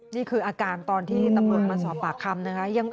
นี่คืออาการตอนที่ตำรวจมาสอบปากคำนะคะ